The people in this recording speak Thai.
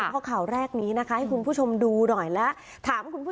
เพราะข่าวแรกนี้นะคะให้คุณผู้ชมดูหน่อยแล้วถามคุณผู้ชม